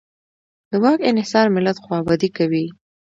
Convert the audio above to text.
د واک انحصار ملت خوابدی کوي.